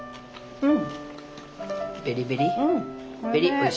うん。